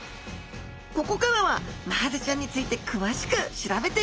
ここからはマハゼちゃんについて詳しく調べていきましょう！